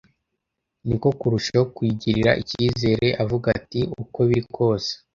niko kurushaho kuyigirira icyizere avuga ati uko biri kose